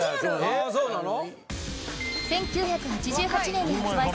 ああそうなの。